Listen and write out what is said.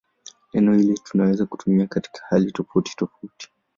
Neno hili tunaweza kutumia katika hali tofautitofauti.